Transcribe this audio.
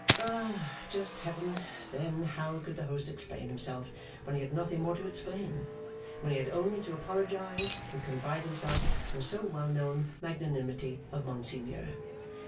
Ah, just Heaven, then, how could the host explain himself when he had nothing more to explain; when he had only to apologise, and confide himself to the so well known magnanimity of Monseigneur!